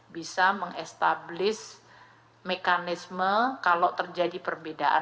bisa mengestablis mekanisme kalau terjadi perbedaan